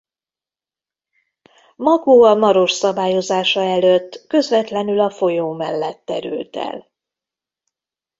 Makó a Maros szabályozása előtt közvetlenül a folyó mellett terült el.